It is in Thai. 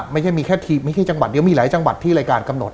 ไม่แค่จังหวัดเดียวมีหลายจังหวัดที่รายการกำหนด